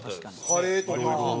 カレーとかね。